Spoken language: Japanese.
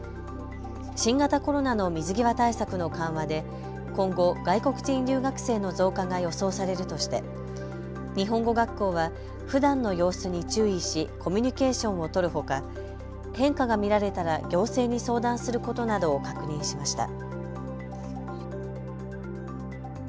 新型コロナの水際対策の緩和で今後、外国人留学生の増加が予想されるとして日本語学校はふだんの様子に注意しコミュニケーションを取るほか変化が見られたら行政に相談することなどを確認しました。